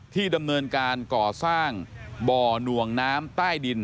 ดำเนินการก่อสร้างบ่อหน่วงน้ำใต้ดิน